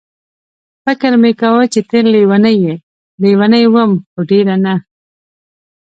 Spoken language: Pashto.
فکر مې کاوه چې ته لېونۍ یې، لېونۍ وم خو ډېره نه.